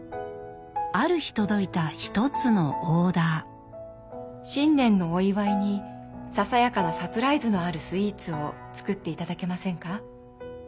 ある日届いた一つのオーダー「新年のお祝いにささやかなサプライズのあるスイーツを作っていただけませんか？」。